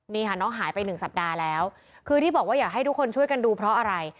นี่ค่ะน้องหายไปหนึ่งสัปดาห์แล้วคือที่บอกว่าอยากให้ทุกคนช่วยกันดูเพราะอะไร